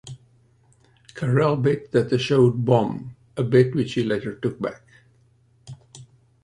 Carrell bet that the show would bomb, a bet which he later took back.